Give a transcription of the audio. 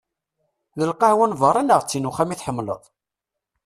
D lqahwa n berra neɣ d tin n uxxam i tḥemmleḍ?